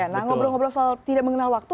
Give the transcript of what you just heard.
nah ngobrol ngobrol soal tidak mengenal waktu